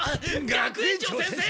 学園長先生！